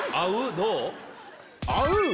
どう？